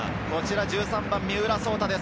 １３番・三浦颯太です。